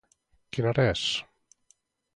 Quina hora és?